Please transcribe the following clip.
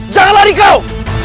jangan lari kau